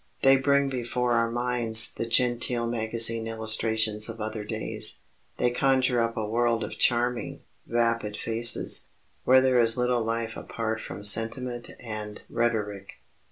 They bring before our minds the genteel magazine illustrations of other days. They conjure up a world of charming, vapid faces, where there is little life apart from sentiment and rhetoric.